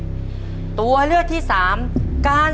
ขอเชิญแสงเดือนมาต่อชีวิต